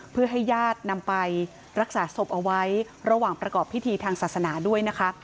เพื่อให้ญาตินำไปรักษาศพเอาไว้ระหว่างประกอบพิธีทางศาสนาด้วยนะคะ